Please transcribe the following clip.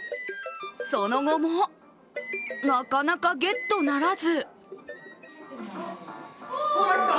その後もなかなかゲットならず。